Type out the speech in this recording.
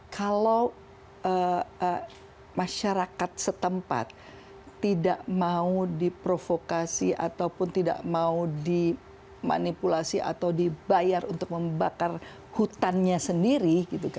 kalau masyarakat setempat tidak mau diprovokasi ataupun tidak mau dimanipulasi atau dibayar untuk membakar hutannya sendiri